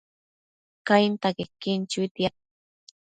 Cainta quequin chuitiad